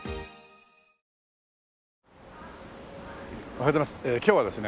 おはようございます。